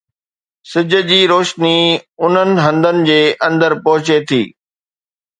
سج جي روشني انهن هنڌن جي اندر پهچي ٿي